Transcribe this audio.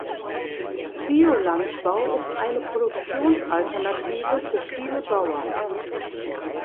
Biolandbau ist eine Produktionsalternative für viele Bauern.